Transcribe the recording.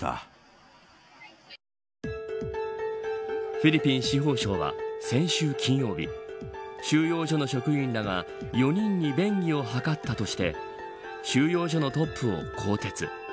フィリピン司法省は先週金曜日収容所の職員らが４人に便宜を図ったとして収容所のトップを更迭。